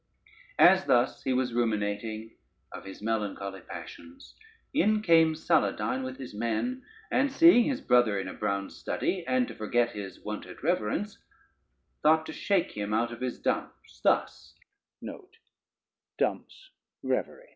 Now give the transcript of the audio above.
As thus he was ruminating of his melancholy passions, in came Saladyne with his men, and seeing his brother in a brown study, and to forget his wonted reverence, thought to shake him out of his dumps thus: [Footnote 1: revery.